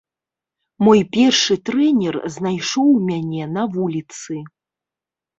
Мой першы трэнер знайшоў мяне на вуліцы.